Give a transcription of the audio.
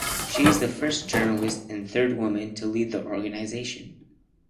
She is the first journalist and third woman to lead the organisation.